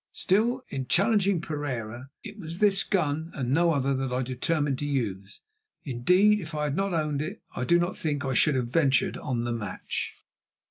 Still, in challenging Pereira, it was this gun and no other that I determined to use; indeed, had I not owned it I do not think that I should have ventured on the match.